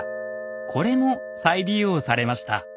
これも再利用されました。